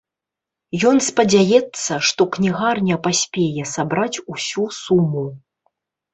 Ён спадзяецца, што кнігарня паспее сабраць усю суму.